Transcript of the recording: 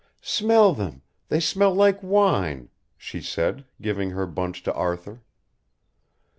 "Smell them, they smell like wine," she said, giving her bunch to Arthur.